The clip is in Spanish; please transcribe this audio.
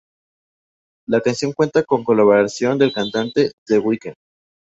La canción cuenta con colaboración del cantante The Weeknd.